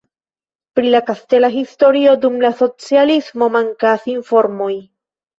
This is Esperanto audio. Pri la kastela historio dum la socialismo mankas informoj.